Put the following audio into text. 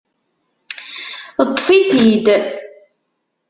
Ṭṭfit-id.